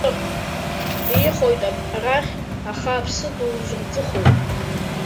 Дихоит арахь, аха аԥсы дузырҿыхоу.